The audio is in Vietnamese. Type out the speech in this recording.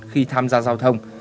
khi tham gia giao thông